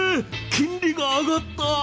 金利が上がった。